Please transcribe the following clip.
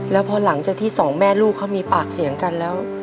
แล้วพอหลังจากที่สองแม่ลูกเขามีปากเสียงกันแล้ว